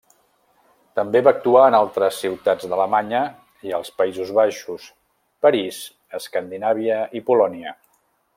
També va actuar en altres ciutats d'Alemanya i als Països Baixos, París, Escandinàvia i Polònia.